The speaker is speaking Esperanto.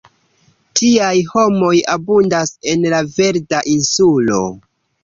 Tiaj homoj abundas en la Verda Insulo.